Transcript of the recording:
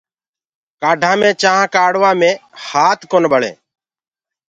ڪآڍآ دي چآنٚينٚ ڪآڙهوآ مي هآت ڪونآ ٻݪینٚ۔